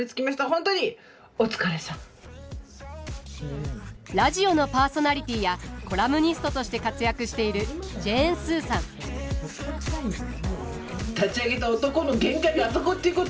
本当にラジオのパーソナリティーやコラムニストとして活躍している立ち上げた男の限界があそこっていうことは。